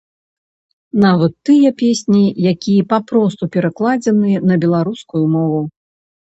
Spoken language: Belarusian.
Нават тыя песні, якія папросту перакладзеныя на беларускую мову.